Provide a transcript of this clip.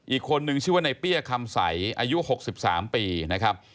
อีกคนนึงชื่อว่าในเปี้ยคำใสอายุ๖๓ปีนะครับ